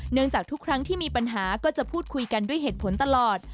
จากทุกครั้งที่มีปัญหาก็จะพูดคุยกันด้วยเหตุผลตลอด